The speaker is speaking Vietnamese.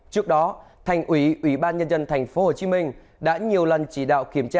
trước đó thành ủy ủy ban nhân dân thành phố hồ chí minh đã nhiều lần chỉ đạo kiểm tra